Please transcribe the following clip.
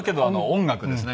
音楽ですね。